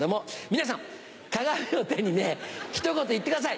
皆さん鏡を手にねひと言言ってください。